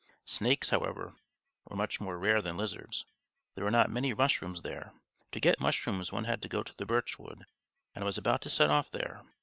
Snakes, however, were much more rare than lizards. There were not many mushrooms there. To get mushrooms one had to go to the birch wood, and I was about to set off there.